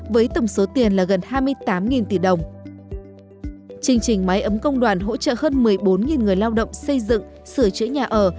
chương trình máy ấm công đoàn hỗ trợ hơn một mươi bốn người lao động xây dựng sửa chữa nhà ở